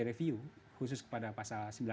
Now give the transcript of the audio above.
review khusus kepada pasal sembilan a yang ada